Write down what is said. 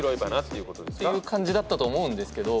っていう感じだったと思うんですけど。